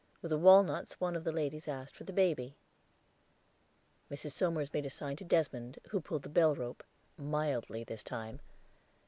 With the walnuts one of the ladies asked for the baby. Mrs. Somers made a sign to Desmond, who pulled the bell rope mildly this time.